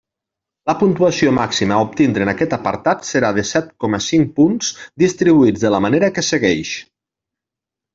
La puntuació màxima a obtindre en aquest apartat serà de set coma cinc punts distribuïts de la manera que segueix.